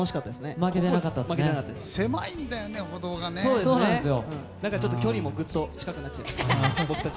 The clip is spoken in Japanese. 僕たちの距離もぐっと近くなっちゃいました。